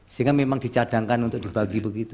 sehingga memang dicadangkan untuk dibagi begitu